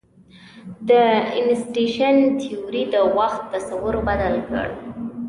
د انیشتین تیوري د وخت تصور بدل کړ.